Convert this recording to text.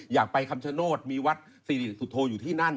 อยากไปคำชโนธมีวัดสิริสุโธอยู่ที่นั่น